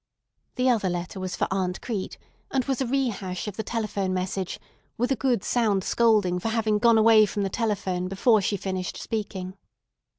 The other letter was for Aunt Crete, and was a rehash of the telephone message, with a good sound scolding for having gone away from the telephone before she finished speaking.